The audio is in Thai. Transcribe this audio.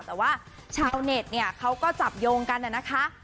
แต่ว่าชาวเน็ตเนี่ยเขาก็จับโยงกันนะคะ